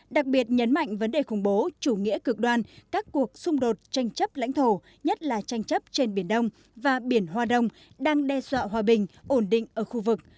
đặc biệt nhấn mạnh vấn đề khủng bố chủ nghĩa cực đoan các cuộc xung đột tranh chấp lãnh thổ nhất là tranh chấp trên biển đông và biển hoa đông đang đe dọa hòa bình ổn định ở khu vực